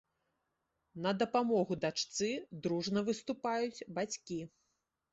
На дапамогу дачцы дружна выступаюць бацькі.